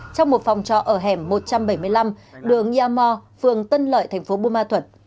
trong một phòng trọ ở hẻm một trăm bảy mươi năm đường nha mo phường tân lợi tp bumatut